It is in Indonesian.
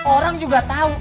orang juga tau